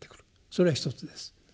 それが１つです。